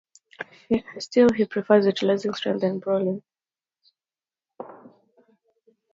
Still he prefers utilizing strength and brawling.